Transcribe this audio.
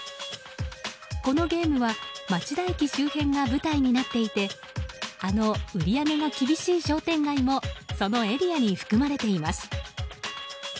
このゲームは町田駅周辺が舞台になっていてあの売り上げが厳しい商店街もそのエリアに含まれています。